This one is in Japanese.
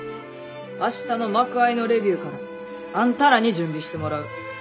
明日の幕あいのレビューからあんたらに準備してもらう。